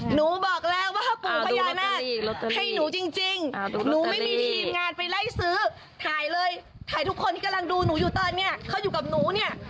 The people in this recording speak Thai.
หนูบอกแล้วว่ากลุ่มพ่อยายแม่ให้หนูจริงหนูไม่มีทีมงานไปไล่ซื้อถ่ายเลยถ่ายทุกคนที่กำลังดูหนูอยู่ตอนนี้เขาอยู่กับหนูเนี่ย